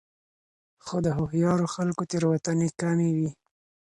خو د هوښیارو خلکو تېروتنې کمې وي.